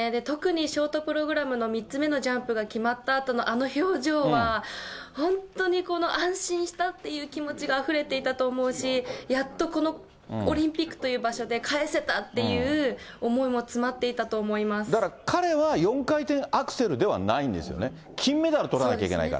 特にショートプログラムの３つ目のジャンプが決まったあとのあの表情は、本当にこの安心したっていう気持ちがあふれていたと思うし、やっとこのオリンピックという場所で返せたっていう思いも詰まっだから、彼は４回転アクセルではないんですよね。